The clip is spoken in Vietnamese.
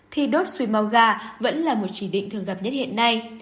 thì đốt suối màu gà vẫn là một chỉ định thường gặp nhất hiện nay